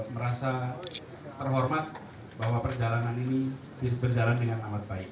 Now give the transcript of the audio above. merasa terhormat bahwa perjalanan ini berjalan dengan amat baik